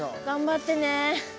頑張ってね。